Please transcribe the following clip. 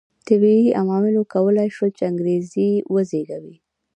طبیعي عواملو کولای شول چې انګېزې وزېږوي.